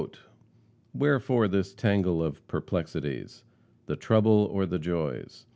"Wherefore this tangle of perplexities, The trouble or the joys?